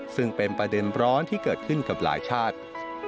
ซึ่งเป็นประเด็นร้อนที่เกิดขึ้นกับหลายชาติ